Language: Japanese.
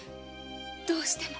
どうしても。